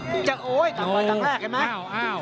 โอ้ยตั้งเลยตั้งแรกเห็นมั้ย